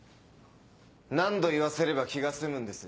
何度言わせれば気が済むんです。